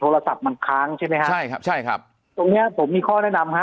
โทรศัพท์มันค้างใช่ไหมฮะใช่ครับใช่ครับตรงเนี้ยผมมีข้อแนะนำฮะ